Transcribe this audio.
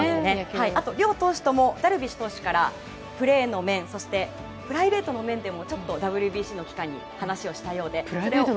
あと、両投手ともダルビッシュ投手からプレーの面そして、プライベートの面でもちょっとＷＢＣの期間に話をしたようで。